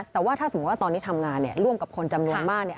แต่ว่าถ้าสมมุติว่าตอนนี้ทำงานร่วมกับคนจำนวนมาก